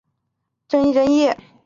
因为他未正式登基加冕且有争议。